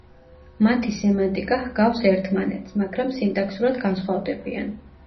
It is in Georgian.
მათი სემანტიკა ჰგავს ერთმანეთს, მაგრამ სინტაქსურად განსხვავდებიან.